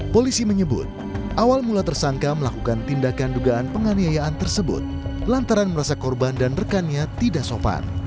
polisi menyebut awal mula tersangka melakukan tindakan dugaan penganiayaan tersebut lantaran merasa korban dan rekannya tidak sopan